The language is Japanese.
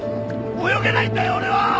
泳げないんだよ俺は！